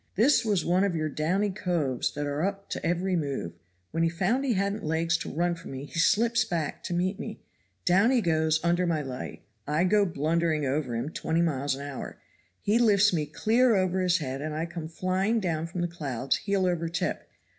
This was one of your downy coves that are up to every move. When he found he hadn't legs to run from me he slips back to meet me. Down he goes under my leg I go blundering over him twenty miles an hour. He lifts me clear over his head and I come flying down from the clouds heel over tip.